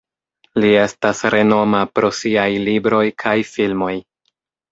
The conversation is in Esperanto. Li estas renoma pro siaj libroj kaj filmoj.